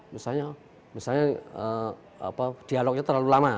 misalnya dialognya terlalu lama